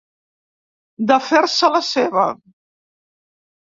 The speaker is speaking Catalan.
De fer-se-la seva.